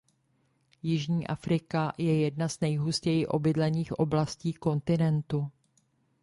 Jižní Afrika je jedna z nejhustěji obydlených oblastí kontinentu.